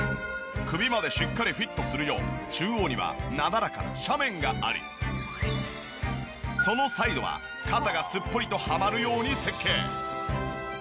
首までしっかりフィットするよう中央にはなだらかな斜面がありそのサイドは肩がすっぽりとはまるように設計。